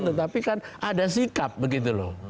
tetapi kan ada sikap begitu loh